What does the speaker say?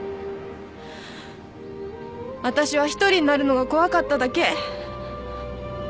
私は一人になるのが怖かっただけ。